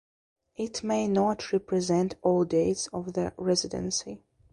It may not represent all dates of the residency.